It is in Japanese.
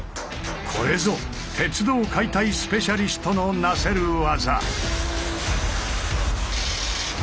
これぞ鉄道解体スペシャリストのなせる業！